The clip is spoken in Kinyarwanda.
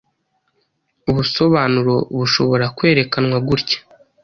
Ubusobanuro bushobora kwerekanwa gutya